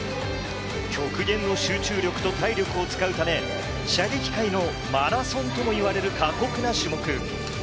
極限の集中力と体力を使うため射撃界のマラソンともいわれる過酷な種目。